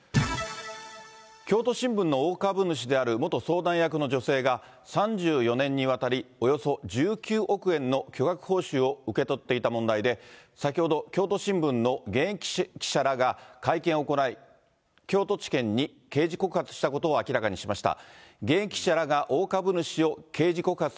京都新聞の大株主である元相談役の女性が、３４年にわたりおよそ１９億円の巨額報酬を受け取っていた問題で、先ほど、京都新聞の現役記者らが会見を行い、京都地検に刑事告発したことを明らかにしました。